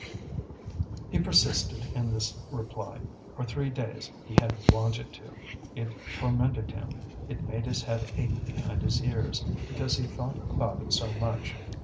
He persisted in this reply. For three days he had wanted to. It tormented him, it made his head ache behind his ears, because he thought about it so much.